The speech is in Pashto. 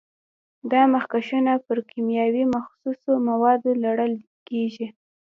دا مخکشونه پر کیمیاوي مخصوصو موادو لړل کېږي.